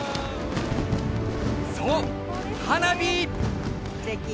そう花火！